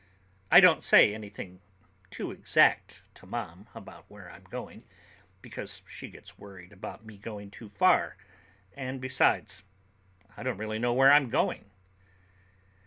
I don't say anything too exact to Mom about where I'm going, because she gets worried about me going too far, and besides I don't really know where I'm going.